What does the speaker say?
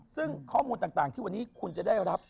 ซึ่งข้อมูลต่างที่วันนี้คุณจะได้รับ